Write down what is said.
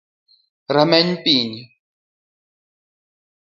Rameny piny